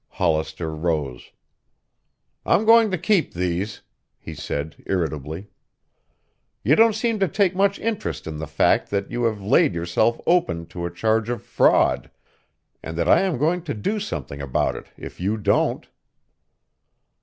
Hollister rose. "I'm going to keep these," he said irritably. "You don't seem to take much interest in the fact that you have laid yourself open to a charge of fraud, and that I am going to do something about it if you don't."